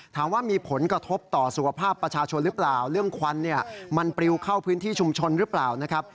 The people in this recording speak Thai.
ถามว่ามีผลกระทบต่อสุขภาพประชาชนหรือเปล่าเรื่องควันเนี่ยมันปลิวเข้าพื้นที่ชุมชนหรือเปล่านะครับ